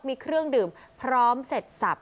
มีเครื่องดื่มพร้อมเสร็จสับ